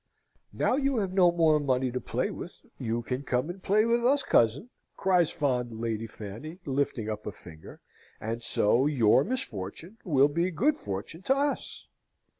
"Now you have no more money to play with, you can come and play with us, cousin!" cries fond Lady Fanny, lifting up a finger, "and so your misfortune will be good fortune to us."